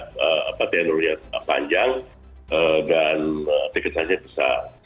tentunya bisa dilihat tenornya panjang dan tiket sahaja besar